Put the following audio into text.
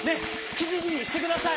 きじにしてください！